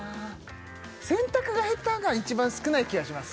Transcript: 「洗濯が下手」が一番少ない気がします